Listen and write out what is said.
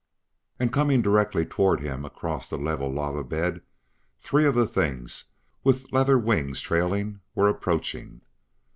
And, coming directly toward him across a level lava bed, three of the things, with leather wings trailing, were approaching.